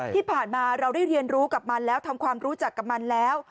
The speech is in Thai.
ที่ผ่านมาเราได้เรียนรู้กับมันแล้วทำความรู้จักกับมันแล้ว